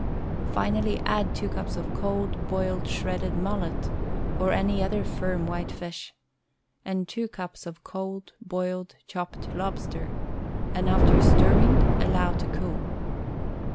Finally add two cups of cold, boiled, shredded mullet, or any other firm white fish, and two cups of cold, boiled, chopped lobster, and after stir ring, allow to cool.